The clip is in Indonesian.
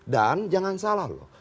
dan jangan salah loh